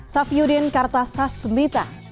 safyudin kartasas sumita